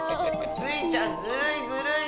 スイちゃんずるいずるい！